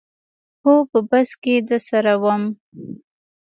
هو په بس کې درسره وم.